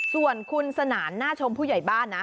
ส่วนคุณสนานหน้าชมผู้ใหญ่บ้านนะ